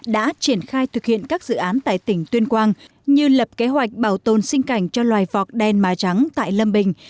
đã triển khai thực hiện các dự án tại tỉnh tuyên quang như lập kế hoạch bảo tồn sinh cảnh cho loài vọc đen mà trắng tại lâm bình